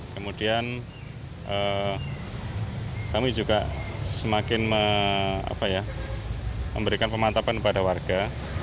kemudian kami juga semakin memberikan pemantapan kepada warga